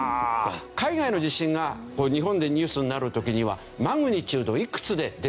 海外の地震が日本でニュースになる時にはマグニチュードいくつで出てくるわけで。